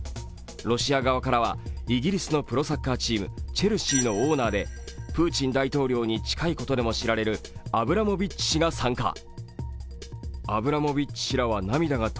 ロシア側からはイギリスのプロサッカーチーム、チェルシーのオーナーでプーチン大統領に近いことで知られるアブラモビッチ氏らが参加。